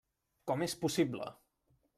Com és possible?